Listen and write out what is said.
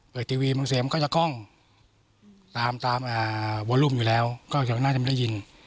ทีวีบางเสียงมันก็จะกล้องตามตามวอลุ่มอยู่แล้วก็น่าจะไม่ได้ยิน